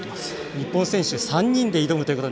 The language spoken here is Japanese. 日本選手３人で挑みます。